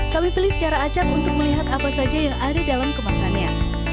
kami pilih secara acak untuk melihat apa saja yang ada dalam kemasannya